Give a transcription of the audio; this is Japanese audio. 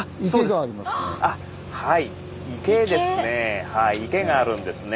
はい池ですね。